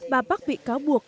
bà park bị cáo buộc